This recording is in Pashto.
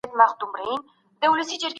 د هغې منشي په ژوند کې هم ستونزې وې.